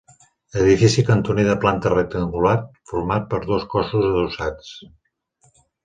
Edifici cantoner de planta rectangular, format per dos cossos adossats.